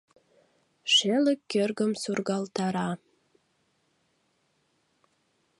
Шелык кӧргым сургалтара.